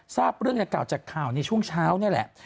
ทราบเรื่องในกล่าวจากข่าวในช่วงเช้านี่แหละ